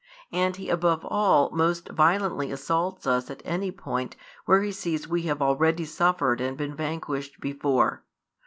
And he above all most violently assaults us at any point where he sees we have already suffered and been vanquished before.